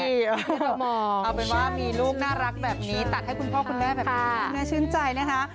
เอาเป็นว่ามีลูกน่ารักแบบนี้ตัดให้คุณพ่อคุณแม่แบบนี้น่าชื่นใจนะคะ